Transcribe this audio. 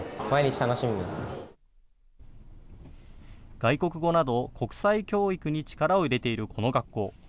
外国語など国際教育に力を入れているこの学校。